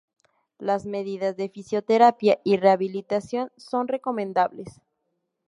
Las medidas de fisioterapia y rehabilitación son recomendables.